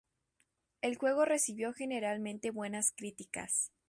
El juego recibió generalmente buenas críticas.